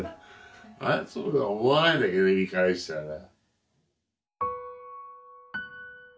そうとは思わないんだけど見返したら。